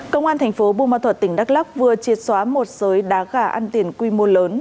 công an thành phố bùa ma thuật tỉnh đắk lóc vừa triệt xóa một sới đá gà ăn tiền quy mô lớn